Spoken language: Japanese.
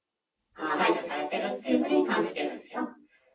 排除されているというふうに感じてるんですよ。